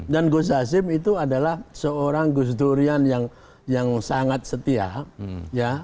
dan gus hasim itu adalah seorang gus durian yang sangat setia